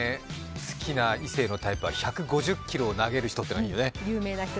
好きな男性のタイプは１５０キロを投げる人っていうのがいいね。